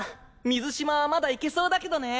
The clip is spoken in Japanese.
水嶋はまだ行けそうだけどね。